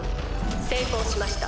成功しました」。